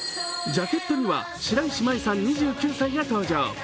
ジャケットには白石麻衣さん２９歳が登場。